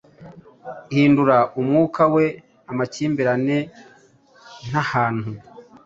Hindura umwuka we amakimbirane ntahantu